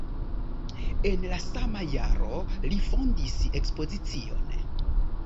En la sama jaro li fondis ekspozicion.